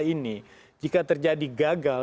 ini jika terjadi gagal